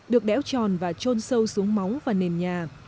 được đẽo tròn và trôn sâu xuống móng và nền nhà